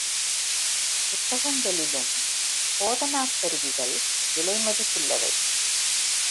புத்தகங்களிலும் போதனாக் கருவிகள் விலை மதிப்புள்ளவை.